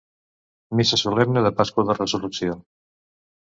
Missa solemne de Pasqua de Resurrecció.